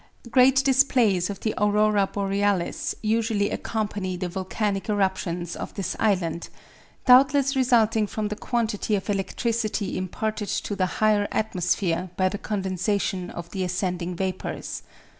Great displays of the aurora borealis usually accompany the volcanic eruptions of this island doubtless resulting from the quantity of electricity imparted to the higher atmosphere by the condensation of the ascending vapors.